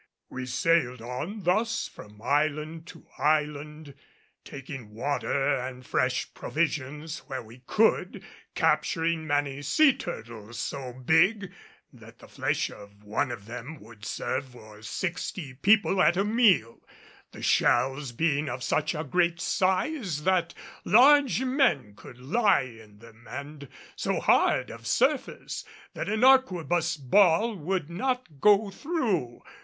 We sailed on thus from island to island, taking water and fresh provisions where we could, capturing many sea turtles so big that the flesh of one of them would serve for sixty people at a meal, the shells being of such a great size that large men could lie in them, and so hard of surface that an arquebus ball would not go through.